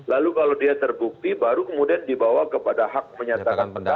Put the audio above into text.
lalu kalau dia terbukti baru kemudian dibawa kepada hak menyatakan pendapat